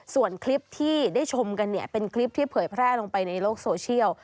ส่วนคลิปที่ได้ชมกันเนี่ยเป็นคลิปที่เผยแพร่ลงไปในโลกโซเชียล